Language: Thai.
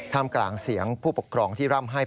กลางเสียงผู้ปกครองที่ร่ำให้